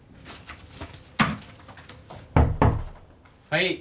はい。